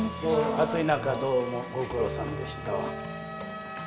暑い中どうもご苦労さんでした。